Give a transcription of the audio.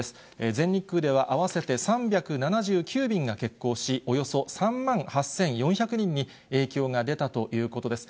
全日空では合わせて３７９便が欠航し、およそ３万８４００人に影響が出たということです。